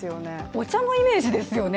お茶のイメージですよね。